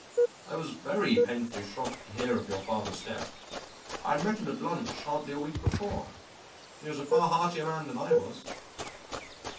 I was very painfully shocked to hear of your father's death. I had met him at lunch hardly a week before; he was a far heartier man than I was.